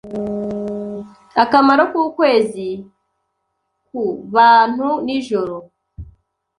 Akamaro k’ukwezi kbantu nijoro